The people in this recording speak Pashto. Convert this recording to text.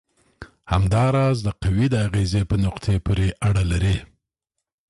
همدا راز د قوې د اغیزې په نقطې پورې اړه لري.